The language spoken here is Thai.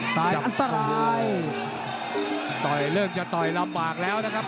อันตรายต่อยเลิกจะต่อยลำบากแล้วนะครับ